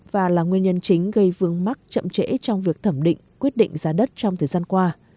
và là nguyên nhân chính gây vương mắc chậm trễ trong việc thẩm định quyết định giá đất trong thời gian qua